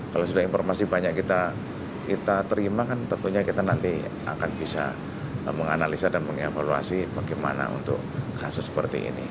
kalau sudah informasi banyak kita terima kan tentunya kita nanti akan bisa menganalisa dan mengevaluasi bagaimana untuk kasus seperti ini